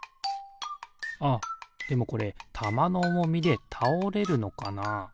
あっでもこれたまのおもみでたおれるのかな？